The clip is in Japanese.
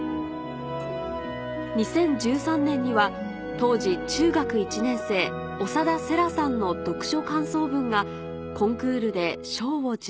２０１３年には当時中学１年生長田瀬良さんの読書感想文がコンクールで賞を受賞